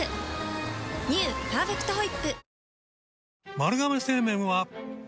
「パーフェクトホイップ」